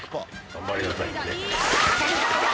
頑張りなさいね。